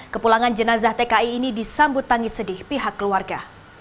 kepulangan jenazah tki ini disambut tangis sedih pihak keluarga